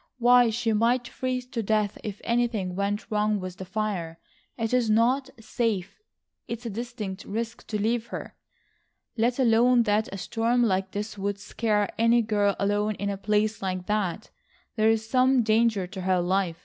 Why, she might freeze to death if anything went wrong with the fire. It is not safe. It's a distinct risk to leave her. Let alone that a storm like this would scare any girl alone in a place like that, there is some danger to her life.